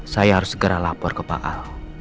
saya harus segera lapor ke pak ar